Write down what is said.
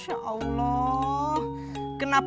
kenapa gak ngabarin lebih cepet atuh kang